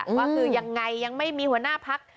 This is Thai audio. ว่าคือยังไงยังไม่มีหัวหน้าพัก